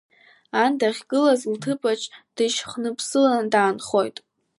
Ан дахьгылаз лҭыԥаҿ дышьхныԥсылан даанхоит.